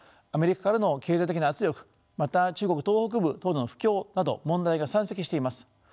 アメリカからの経済的な圧力また中国東北部等の不況など問題が山積しています。